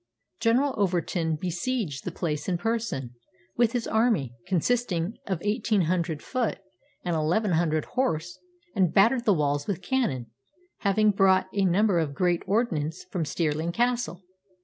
General Overton besieged the place in person, with his army, consisting of eighteen hundred foot and eleven hundred horse, and battered the walls with cannon, having brought a number of great ordnance from Stirling Castle.